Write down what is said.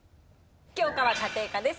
教科は家庭科です。